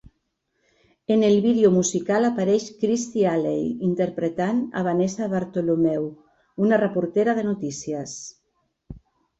En el vídeo musical apareix Kirstie Alley interpretant a Vanessa Bartholomew, una reportera de notícies.